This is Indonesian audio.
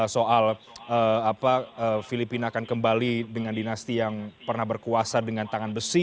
soal filipina akan kembali dengan dinasti yang pernah berkuasa dengan tangan besi